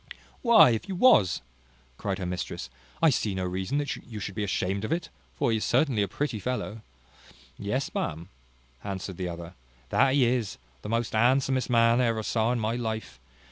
"Why, if you was," cries her mistress, "I see no reason that you should be ashamed of it; for he is certainly a pretty fellow." "Yes, ma'am," answered the other, "that he is, the most handsomest man I ever saw in my life.